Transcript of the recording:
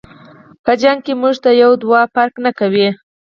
په جنګ کی مونږ ته یو دوه فرق نکوي.